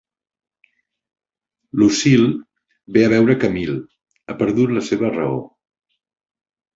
Lucile ve a veure Camille; ha perdut la seva raó.